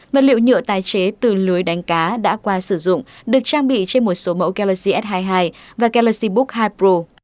vật liệu nhựa tái chế từ lưới đánh cá đã qua sử dụng được trang bị trên một số mẫu galaxy s hai mươi hai và galaxy book hai pro